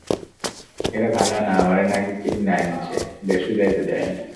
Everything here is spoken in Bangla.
এরা ভালা না, আমারে নাকি কিন্যা আনছে, দ্যাশে যাইতে দেয় না।